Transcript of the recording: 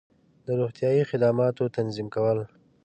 د روغتیایی خدماتو تنظیم کول